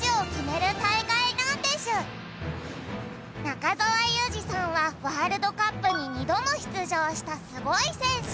中澤佑二さんはワールドカップに２どもしゅつじょうしたすごい選手。